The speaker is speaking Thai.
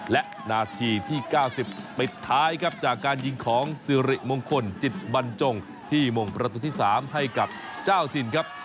และนาทีที่๙๐ปิดท้ายครับจากการยิงของสิริมงคลจิตบรรจงที่มงประตูที่๓ให้กับเจ้าถิ่นครับ